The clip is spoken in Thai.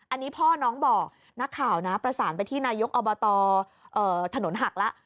อันนี้พ่อน้องบอกนักข่าวนะประสานไปที่นายกอบตถนนหักแล้ว